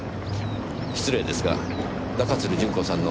失礼ですが中津留順子さんの。